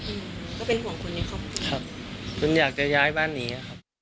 ก็เป็นหวังคุณครับผมอยากจะย้ายบ้านหนี